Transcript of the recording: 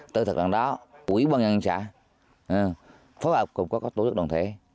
từ thời gian đó quỹ bọn nhân trả phóng vật cũng có tổ chức đồng thể